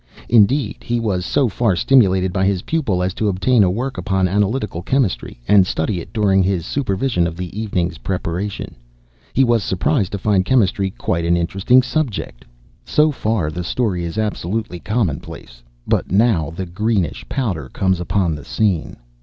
Indeed, he was so far stimulated by his pupil as to obtain a work upon analytical chemistry, and study it during his supervision of the evening's preparation. He was surprised to find chemistry quite an interesting subject. So far the story is absolutely commonplace. But now the greenish powder comes upon the scene.